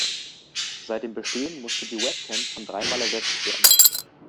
Seit dem Bestehen musste die Webcam schon dreimal ersetzt werden.